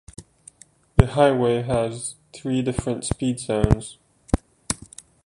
The highway has three different speed zones.